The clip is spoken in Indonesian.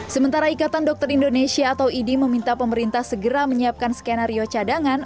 sementara ikatan dokter indonesia atau idi meminta pemerintah segera menyiapkan skenario cadangan